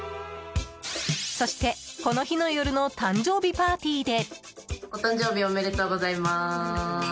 そして、この日の夜の誕生日パーティーで。